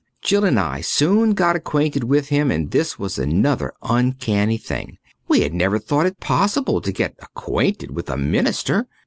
Jill and I soon got acquainted with him and this was another uncanny thing. We had never thought it possible to get acquainted with a minister.